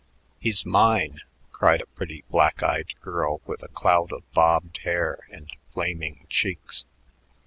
"He's mine!" cried a pretty black eyed girl with a cloud of bobbed hair and flaming cheeks.